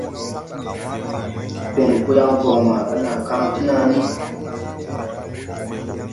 Fen po yaŋ bɔŋ maaga naa kaŋ ti naa ni,